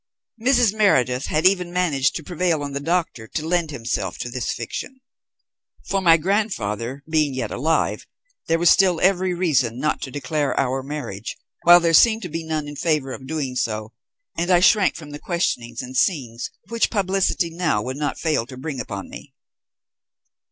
Mrs. Meredith had even managed to prevail on the doctor to lend himself to this fiction; for, my grandfather being yet alive, there was still every reason not to declare our marriage, while there seemed to be none in favour of doing so, and I shrank from the questionings and scenes which publicity now would not fail to bring upon me.